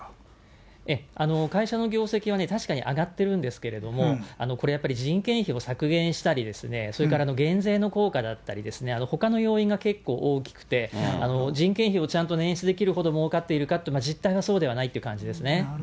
会社の業績はね、確かに上がってるんですけども、これやっぱり、人件費を削減したりですね、それから減税の効果だったりですね、ほかの要因が結構大きくて、人件費をちゃんと捻出できるほどもうかっているかって言うと、実態はそうではないっていう感じですね。